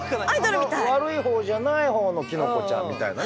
悪いほうじゃないほうのキノコちゃんみたいなね。